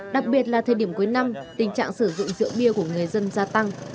đặc biệt là thời điểm cuối năm tình trạng sử dụng rượu bia của người dân gia tăng